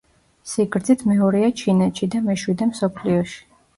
სიგრძით მეორეა ჩინეთში და მეშვიდე მსოფლიოში.